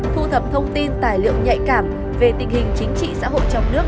thu thập thông tin tài liệu nhạy cảm về tình hình chính trị xã hội trong nước